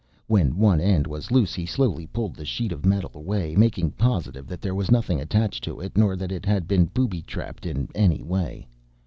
When one end was loose he slowly pulled the sheet of metal away, making positive that there was nothing attached to it, nor that it had been booby trapped in any way.